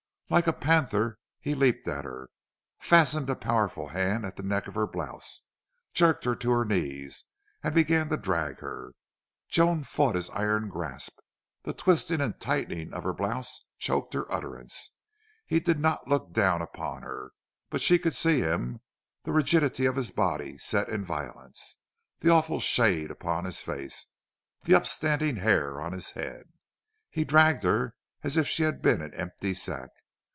Like a panther he leaped at her, fastened a powerful hand at the neck of her blouse, jerked her to her knees, and began to drag her. Joan fought his iron grasp. The twisting and tightening of her blouse choked her utterance. He did not look down upon her, but she could see him, the rigidity of his body set in violence, the awful shade upon his face, the upstanding hair on his head. He dragged her as if she had been an empty sack.